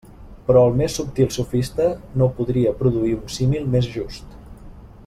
Però el més subtil sofista no podria produir un símil més just.